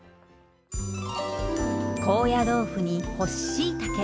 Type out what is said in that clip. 高野豆腐に干ししいたけ